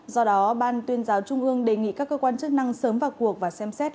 do đó ban tuyên giáo trung ương đề nghị các cơ quan chức năng sớm vào cuộc và xem xét